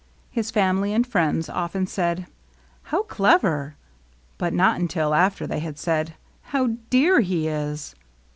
His famHy and friends often said, " How clever !" but not until after they had said, How dear he is